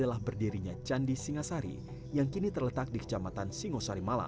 adalah berdirinya candi singha asari yang kini terletak di kejamatan singo sarimalang